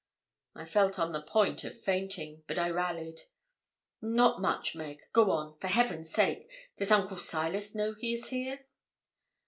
I felt on the point of fainting, but I rallied. 'Not much, Meg. Go on, for Heaven's sake. Does Uncle Silas know he is here?'